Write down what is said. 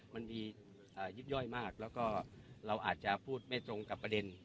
มันมียิบย่อยมากแล้วก็เราอาจจะพูดไม่ตรงกับประเด็น